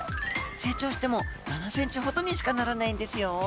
成長しても７ｃｍほどにしかならないんですよ。